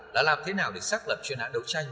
là làm thế nào để xác lập chuyên hãng đấu tranh